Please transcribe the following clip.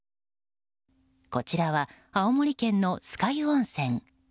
こちらは、青森県の酸ヶ湯温泉。